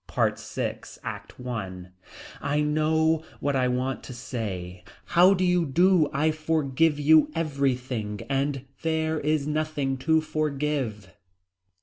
PART VI. ACT I. I know what I want to say. How do you do I forgive you everything and there is nothing to forgive.